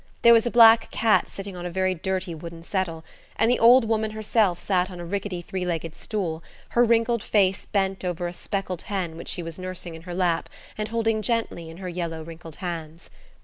There was a black cat sitting on a very dirty wooden settle, and the old woman herself sat on a rickety three legged stool, her wrinkled face bent over a speckled hen which she was nursing in her lap and holding gently in her yellow, wrinkled hands.